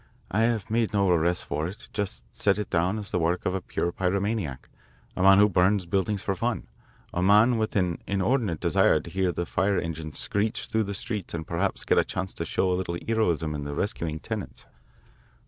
I have made no arrests for it just set it down as the work of a pure pyromaniac, a man who burns buildings for fun, a man with an inordinate desire to hear the fire engines screech through the streets and perhaps get a chance to show a little heroism in 'rescuing' tenants.